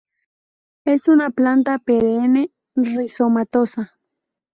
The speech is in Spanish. Es una planta perenne, rizomatosa.